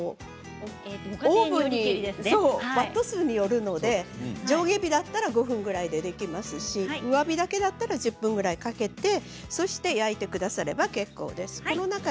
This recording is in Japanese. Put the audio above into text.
ワット数によるので上下の火だったら５分ぐらいでできますし弱火ぐらいだったら１０分ぐらいかけて焼いてくだされば結構です。